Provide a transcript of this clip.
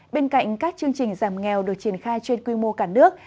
bên cạnh các chương trình giảm nghèo được triển khai trên quy mô cả nước